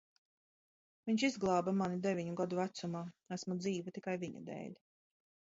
Viņš izglāba mani deviņu gadu vecumā. Esmu dzīva tikai viņa dēļ.